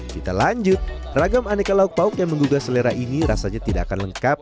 kita lanjut ragam aneka lauk pauk yang menggugah selera ini rasanya tidak akan lengkap